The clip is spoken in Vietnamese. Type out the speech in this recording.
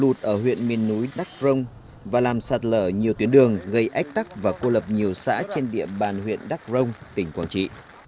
lụt ở huyện miền núi đắc rông và làm sạt lở nhiều tuyến đường gây ách tắc và cô lập nhiều xã trên địa bàn huyện đắc rông tỉnh quảng trị